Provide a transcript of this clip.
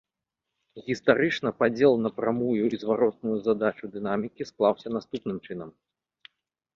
Гістарычна падзел на прамую і зваротную задачу дынамікі склаўся наступным чынам.